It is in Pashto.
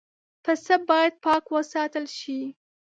پسه باید پاک وساتل شي.